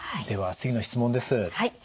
では次の質問です。